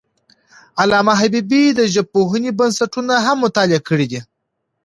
علامه حبیبي د ژبپوهنې بنسټونه هم مطالعه کړي دي.